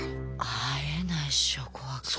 会えないっしょ怖くて。